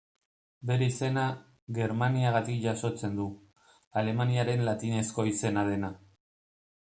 Bere izena, Germaniagatik jasotzen du, Alemaniaren latinezko izena dena.